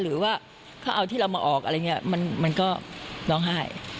หรือว่าเขาเอาที่เรามาออกอะไรอย่างนี้มันก็ร้องไห้